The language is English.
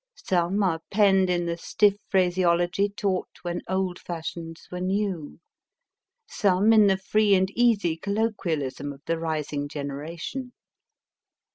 Some are penned in the stiff phraseology taught when old fashions were new, some in the free and easy colloquialism of the rising generation.